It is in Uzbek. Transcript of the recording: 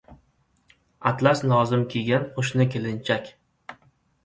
Atlas lozim kiygan qo‘shni kelinchak.